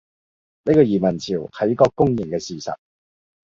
呢個移民潮，係一個公認嘅事實